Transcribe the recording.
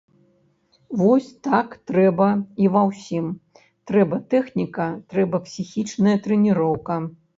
Вось так трэба і ва ўсім, трэба тэхніка, трэба псіхічная трэніроўка.